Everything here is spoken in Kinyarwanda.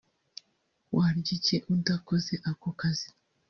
warya iki udakoze ako kazi